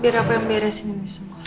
biar apa yang beresin ini semua